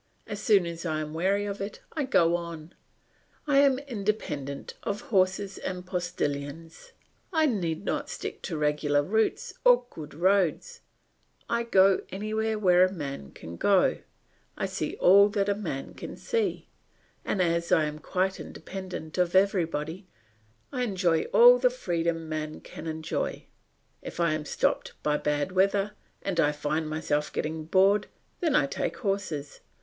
As soon as I am weary of it, I go on. I am independent of horses and postillions; I need not stick to regular routes or good roads; I go anywhere where a man can go; I see all that a man can see; and as I am quite independent of everybody, I enjoy all the freedom man can enjoy. If I am stopped by bad weather and I find myself getting bored, then I take horses.